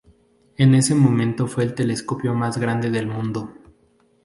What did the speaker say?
En ese momento fue el telescopio más grande del mundo.